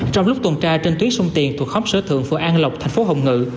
trong lúc tuần tra trên tuyến sông tiền thuộc khóm sở thượng phường an lộc thành phố hồng ngự